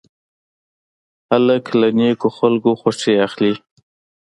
هلک له نیکو خلکو خوښي اخلي.